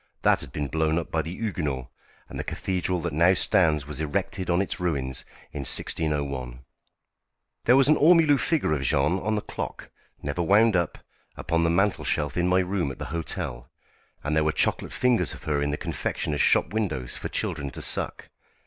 That had been blown up by the Huguenots, and the cathedral that now stands was erected on its ruins in 1601. There was an ormolu figure of Jeanne on the clock never wound up upon the mantelshelf in my room at the hotel, and there were chocolate figures of her in the confectioners' shop windows for children to suck.